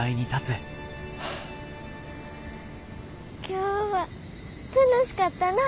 今日は楽しかったな。